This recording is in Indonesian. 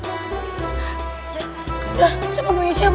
udah siapa pengen siap ustaz